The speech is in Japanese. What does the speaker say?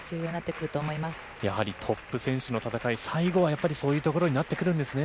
やはりトップ選手の戦い、最後はやっぱりそういうところになってくるんですね。